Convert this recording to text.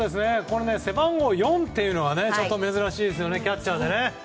背番号４というのは珍しいですね、キャッチャーで。